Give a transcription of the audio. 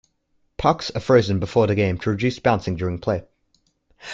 Pucks are frozen before the game to reduce bouncing during play.